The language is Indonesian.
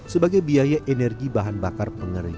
sebagai biaya energi bahan bakar pengering